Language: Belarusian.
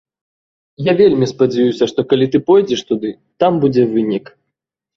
Я вельмі спадзяюся, што калі ты пойдзеш туды, там будзе вынік.